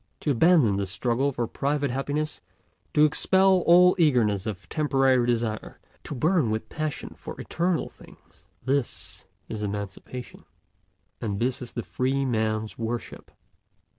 To abandon the struggle for private happiness, to expel all eagerness of temporary desire, to burn with passion for eternal things—this is emancipation, and this is the free man's worship.